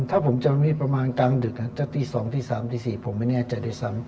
ถ้าผมจะมีประมาณกลางดึกนะจะตี๒๓๔ผมไม่แน่ใจได้ซ้ำ